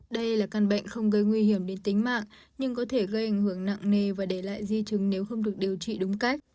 đây là căn bệnh không gây nguy hiểm đến tính mạng nhưng có thể gây ảnh hưởng nặng nề và để lại di chứng nếu không được điều trị đúng cách